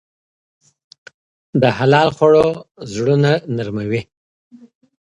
د حلال خوړو زړونه نرموي.